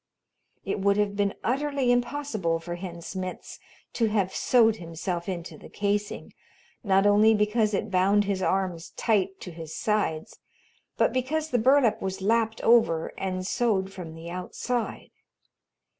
It would have been utterly impossible for Hen Smitz to have sewed himself into the casing, not only because it bound his arms tight to his sides, but because the burlap was lapped over and sewed from the outside.